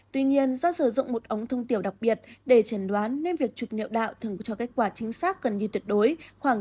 tuy nhiên do sử dụng một ống thông tiểu đặc biệt để trần đoán nên việc chụp niệm đạo thường cho kết quả chính xác gần như tuyệt đối khoảng chín mươi